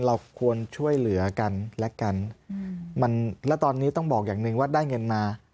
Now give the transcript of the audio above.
เราควรช่วยเหลือกันและกันมันแล้วตอนนี้ต้องบอกอย่างหนึ่งว่าได้เงินมา